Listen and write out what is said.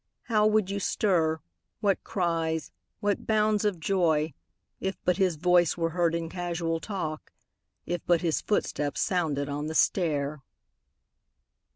How would you stir, what cries, what bounds of joy. If but his voice were heard in casual talk. If but his footstep sounded on the stair!